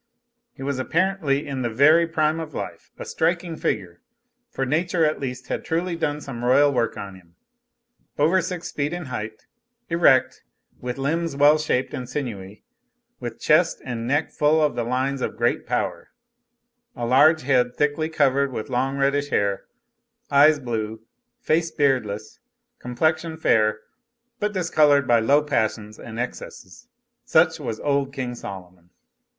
He was apparently in the very prime of life a striking figure, for nature at least had truly done some royal work on him. Over six feet in height, erect, with limbs well shaped and sinewy, with chest and neck full of the lines of great power, a large head thickly covered with long, reddish hair, eyes blue, face beardless, complexion fair but discolored by low passions and excesses such was old King Solomon.